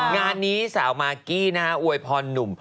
งานนี้สาวมากกี้นะฮะอวยพรหนุ่ม